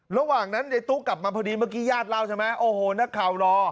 ระหว่างนั้นยายตุ๊กกลับมาพอดีเมื่อกี้ญาติเล่าใช่ไหมโอ้โหนักข่าวรอ